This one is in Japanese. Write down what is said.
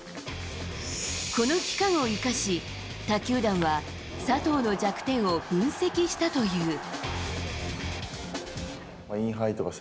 この期間を生かし、他球団は佐藤の弱点を分析したという。